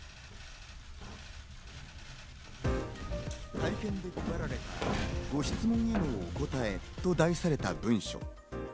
会見で配られた「ご質問へのお答え」と題された文書。